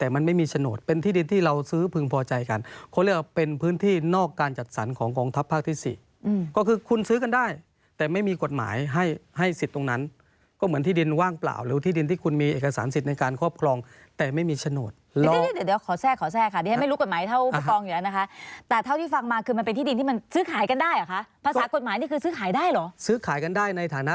มันสิ้นสุดมันตายสนิท